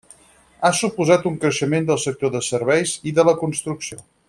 Ha suposat un creixement del sector de serveis i de la construcció.